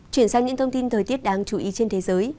chuyển sang những thông tin thời tiết đáng chú ý trên thế giới